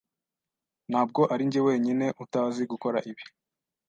Ntabwo arinjye wenyine utazi gukora ibi.